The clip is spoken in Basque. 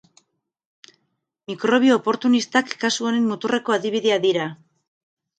Mikrobio oportunistak kasu honen muturreko adibidea dira.